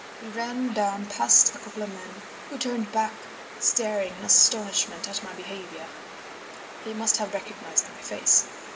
We ran down past a couple of men, who turned back staring in astonishment at my behaviour—they must have recognised my face.